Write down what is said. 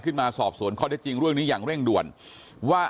มาสอบสวนข้อได้จริงเรื่องนี้อย่างเร่งด่วนว่า